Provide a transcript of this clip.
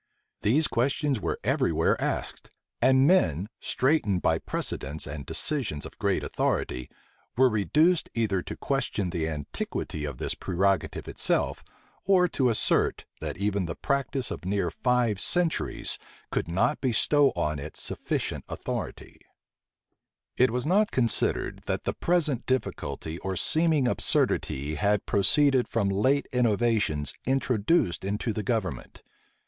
These questions were every where asked; and men, straitened by precedents and decisions of great authority, were reduced either to question the antiquity of this prerogative itself, or to assert, that even the practice of near five centuries could not bestow on it sufficient authority.[*] * Sir Robert Atkins, p. 21. It was not considered, that the present difficulty or seeming absurdity had proceeded from late innovations introduced into the government.